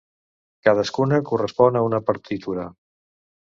Cadascuna correspon a una partitura.